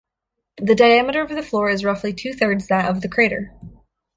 The diameter of the floor is roughly two-thirds that of the crater.